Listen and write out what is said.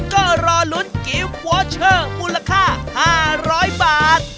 ก็รอลุ้นกิฟต์วอเชอร์มูลค่า๕๐๐บาท